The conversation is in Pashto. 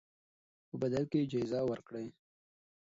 په بدل کې یې جایزه ورکړئ.